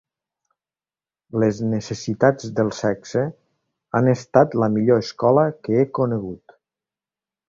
Les necessitats del sexe han estat la millor escola que he conegut.